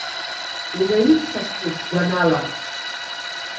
Инаишьҭасҳәеит сгәанала.